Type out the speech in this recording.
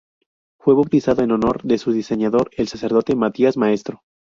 Fue bautizado en honor de su diseñador, el sacerdote Matías Maestro.